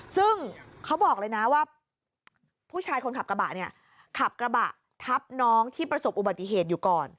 ซึ่งเขาบอกเลยนะว่าผู้ชายคนขับกระบะเนี่ยขับกระบะทับน้องที่ประสบอุบัติเหตุอยู่ก่อน